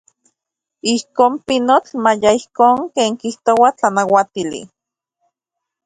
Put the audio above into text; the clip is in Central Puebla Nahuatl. Ijkon, pinotl, maya ijkon ken kijtoa tlanauatili.